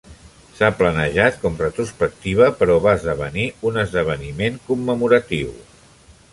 S'ha planejat com retrospectiva però va esdevenir un esdeveniment commemoratiu.